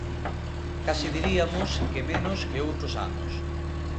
Case diriamos que menos que outros anos.